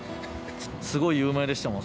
すごい有名でしたもん。